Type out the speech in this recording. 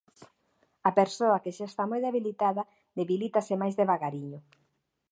A persoa que xa está moi debilitada, debilítase máis devagariño.